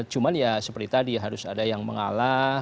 cuma ya seperti tadi harus ada yang mengalah